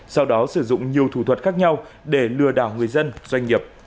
sau đó sử dụng nhiều thủ thuật khác nhau để lừa đảo người dân doanh nghiệp